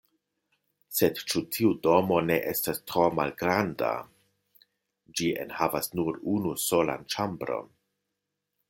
Sed ĉu tiu domo ne estas tro malgranda? Ĝi enhavas nur unu solan ĉambron.